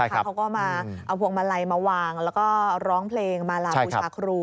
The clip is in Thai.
เขาก็มาเอาพวงมาลัยมาวางแล้วก็ร้องเพลงมาลาบูชาครู